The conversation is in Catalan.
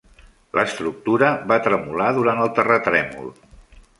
L'estructura va tremolar durant el terratrèmol.